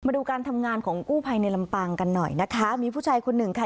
ดูการทำงานของกู้ภัยในลำปางกันหน่อยนะคะมีผู้ชายคนหนึ่งค่ะ